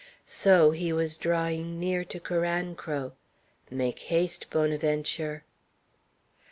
So he was drawing near to Carancro. Make haste, Bonaventure!